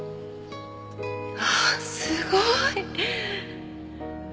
ああすごい！